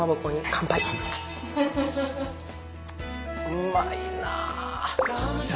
うまいな。